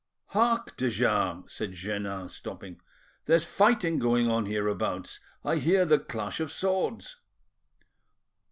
"Hark, de Jars!" said Jeannin, stopping, "There's fighting going on hereabouts; I hear the clash of swords."